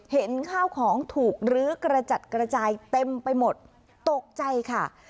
เห็นข้าวของถูกลื้อกระจัดกระจายเต็มไปหมดตกใจค่ะ